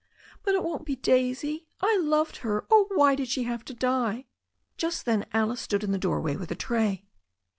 "But it won't be Daisy. I loved her. Oh, why did she have to die?" Just then Alice stood in the doorway with a tray.